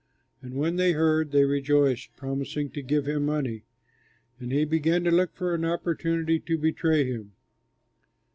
And when they heard, they rejoiced, promising to give him money; and he began to look for an opportunity to betray him.